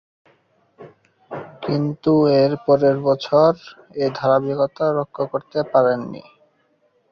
কিন্তু পরের বছর এ ধারাবাহিকতা রক্ষা করতে পারেননি।